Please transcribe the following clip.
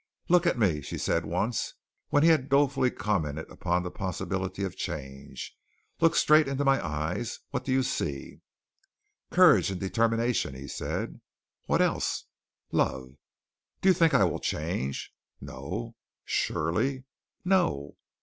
"Look at me," she said once when he had dolefully commented upon the possibility of change. "Look straight into my eyes. What do you see?" "Courage and determination," he said. "What else?" "Love." "Do you think I will change?" "No." "Surely?" "No."